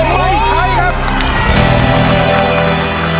โอ้โหไม่ใช้ครับ